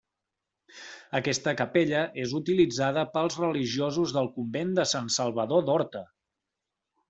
Aquesta capella és utilitzada pels religiosos del convent de Sant Salvador d'Horta.